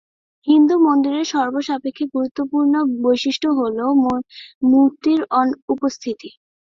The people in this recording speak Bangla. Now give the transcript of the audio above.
হিন্দু মন্দিরের সর্বাপেক্ষা গুরুত্বপূর্ণ বৈশিষ্ট্য হল মূর্তির উপস্থিতি।